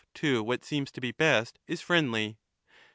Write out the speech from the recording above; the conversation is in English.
(O^*^ what seems to be best, is friendly.